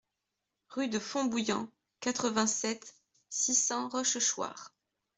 Rue de Fontbouillant, quatre-vingt-sept, six cents Rochechouart